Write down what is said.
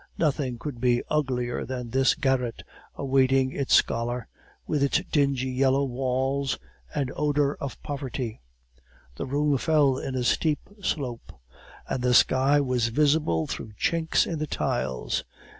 "Nothing could be uglier than this garret, awaiting its scholar, with its dingy yellow walls and odor of poverty. The roofing fell in a steep slope, and the sky was visible through chinks in the tiles.